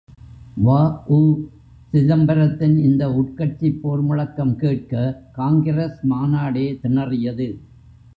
வ.உசிதம்பரத்தின் இந்த உட்கட்சிப் போர் முழக்கம் கேட்ட காங்கிரஸ் மாநாடே திணறியது!